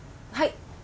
はい。